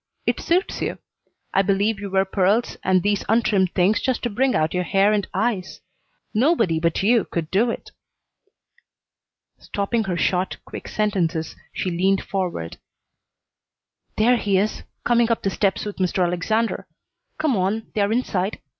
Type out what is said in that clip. It suits you. I believe you wear pearls and these untrimmed things just to bring out your hair and eyes. Nobody but you could do it." Stopping her short, quick sentences, she leaned forward. "There he is, coming up the steps with Mr. Alexander. Come on; they're inside.